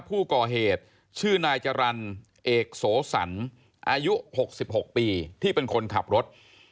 ผู้ก่อเหตุชื่อนายจรรย์เอกโสสันอายุ๖๖ปีที่เป็นคนขับรถ